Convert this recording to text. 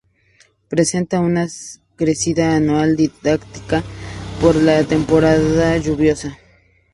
Presenta una crecida anual dictada por la temporada lluviosa.